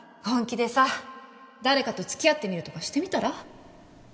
本気でさ誰かとつきあってみるとかしてみたら？